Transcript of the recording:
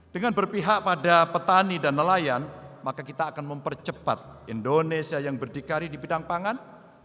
dengan berpihak pada petani dan nelayan maka kita akan mempercepat indonesia yang berdikari di bidang pangan